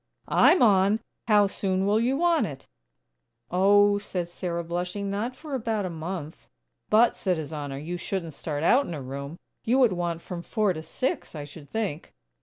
I'm on! How soon will you want it?" "Oh," said Sarah, blushing, "not for about a month." "But," said His Honor, "you shouldn't start out in a room. You would want from four to six I should think."